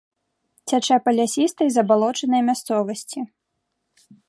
Цячэ па лясістай забалочанай мясцовасці.